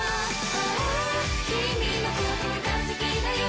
ああ君のことが好きだよ